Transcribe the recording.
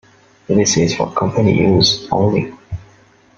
This is for company use only.